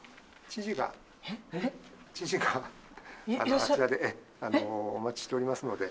知事があちらでお待ちしておりますので。